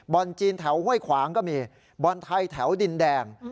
จีนแถวห้วยขวางก็มีบอลไทยแถวดินแดง